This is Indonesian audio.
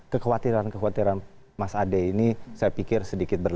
kekhawatiran kekhawatiran mas ade ini saya pikir sedikit berbeda